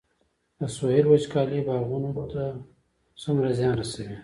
د سویل وچکالي باغونو ته څومره زیان رسوي؟